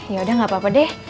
yaudah gapapa deh